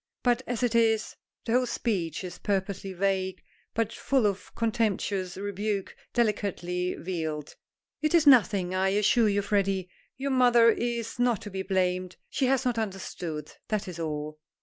But as it is " The whole speech is purposely vague, but full of contemptuous rebuke, delicately veiled. "It is nothing, I assure you, Freddy. Your mother is not to be blamed. She has not understood. That is all."